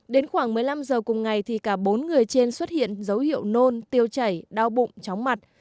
đến khoảng một mươi năm giờ cùng ngày thì cả bốn người trên xuất hiện dấu hiệu nôn tiêu chảy đau bụng chóng mặt